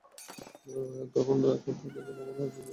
তাকে এখন আমাদের হাসপাতালে নিয়ে যেতে হবে!